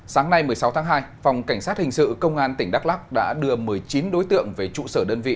sáng nay một mươi sáu tháng hai phòng cảnh sát hình sự công an tỉnh đắk lắc đã đưa một mươi chín đối tượng về trụ sở đơn vị